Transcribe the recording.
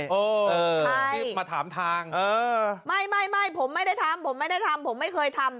จิ๊บมาถามทางไม่ผมไม่ได้ทำผมไม่เคยทำ